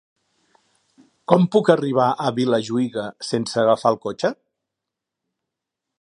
Com puc arribar a Vilajuïga sense agafar el cotxe?